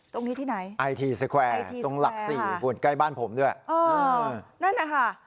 ตรงนี้ที่ไหนไอทีสแควร์ตรงหลักสี่คุณใกล้บ้านผมด้วยเออนั่นนะคะ